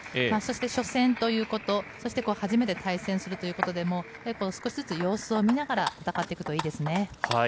初戦ということ、初めて対戦するということで少しずつ様子を見ながら戦っていくといいですね。